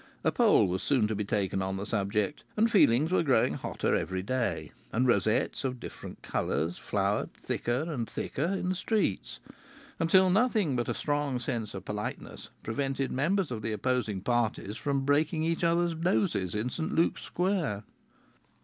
A poll was soon to be taken on the subject, and feelings were growing hotter every day, and rosettes of different colours flowered thicker and thicker in the streets, until nothing but a strong sense of politeness prevented members of the opposing parties from breaking each other's noses in St Luke's Square.